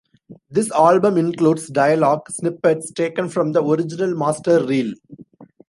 This album includes dialogue snippets taken from the original master reel.